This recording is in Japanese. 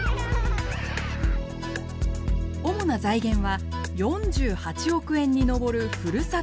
主な財源は４８億円に上るふるさと納税。